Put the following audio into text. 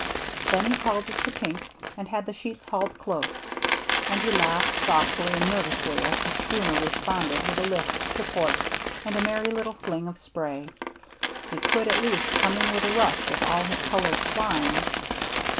Then he called to Pink, and had the sheets hauled close; and he laughed softly and nervously as the schooner responded with a list to port and a merry little fling of spray. He could at least come in with a rush, with all his colors flying.